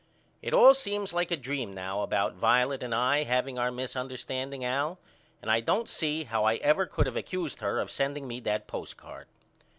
It all seems like a dream now about Violet and I haveing our misunderstanding Al and I don't see how I ever could of accused her of sending me that postcard.